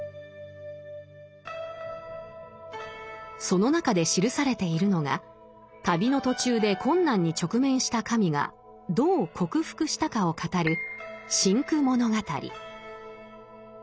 その中で記されているのが旅の途中で困難に直面した神がどう克服したかを語る「辛苦物語」。